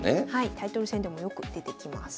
タイトル戦でもよく出てきます。